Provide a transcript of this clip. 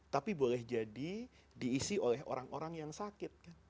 tapi boleh jadi diisi oleh orang orang yang sakit kan